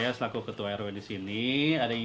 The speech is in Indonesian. assalamualaikum warahmatullahi wabarakatuh